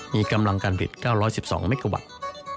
มีกำลังการผลิต๙๑๒เมกาวัตต์